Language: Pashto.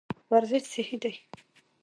ورزش صحي دی.